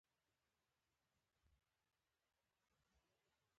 ښایست د زړه خبرې کوي